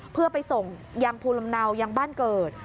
เพื่อไปส่งยังภูมิลำเนายังบ้านเกิด